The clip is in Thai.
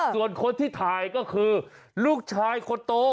ส่วนคนที่ถ่ายก็คือลูกชายคนโต